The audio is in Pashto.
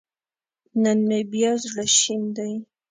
نن مې بيا زړه شين دی